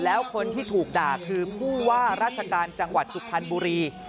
แล้วคนที่ถูกด่าคือผู้ว่าราชการจังหวัดสุพรรณบุรี